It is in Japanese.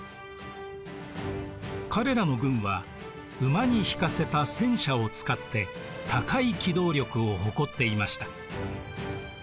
彼らの軍は馬に引かせた戦車を使って高い機動力を誇っていました。